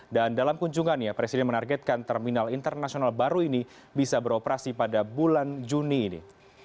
dan dalam kunjungannya presiden menargetkan terminal internasional baru ini bisa beroperasi pada bulan juni ini